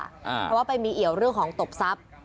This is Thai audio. เพราะว่าไปมีเอี่ยวเรื่องของตบทรัพย์